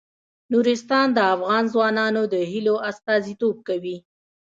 نورستان د افغان ځوانانو د هیلو استازیتوب کوي.